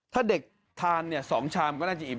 ถ้าเด็กทาน๒ชามก็น่าจะอิ่ม